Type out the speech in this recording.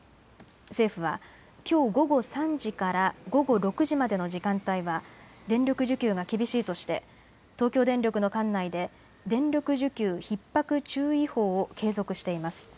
政府はきょう午後３時から午後６時までの時間帯は電力需給が厳しいとして東京電力の管内で電力需給ひっ迫注意報を継続しています。